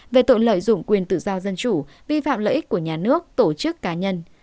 về tội lợi dụng quyền tự do dân chủ vi phạm lợi ích của nhà nước tổ chức cá nhân